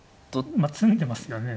まあ詰んでますよね。